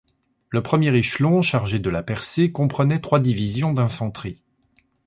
Le premier échelon, chargé de la percée, comprenait trois divisions d'infanterie.